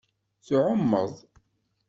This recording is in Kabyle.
Tɛumeḍ.